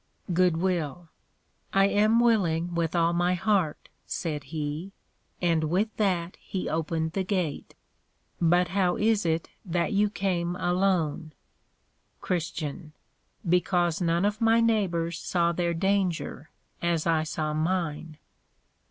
GOOD WILL. I am willing with all my heart, said he; and with that he opened the Gate. But how is it that you came alone? CHR. Because none of my Neighbors saw their danger, as I saw mine.